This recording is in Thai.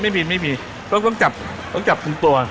ไม่มีไม่มีต้องจับตรงตัว